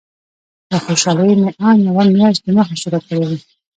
له خوشالۍ مې ان یوه میاشت دمخه شروع کړې وه.